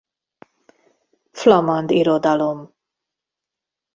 Flamand irodalom